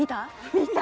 見た！